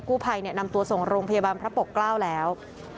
ผู้ภัยนำตัวส่งโรงพยาบาลพระปกเกล้าแล้ว